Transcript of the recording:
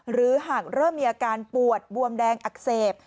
หรือหากเริ่มมีอาการปวดบวมแดงอักเสบ